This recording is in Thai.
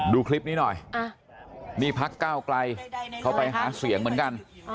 ดูคลิปนี้หน่อยนี่พักก้าวไกลเขาไปหาเสียงเหมือนกัน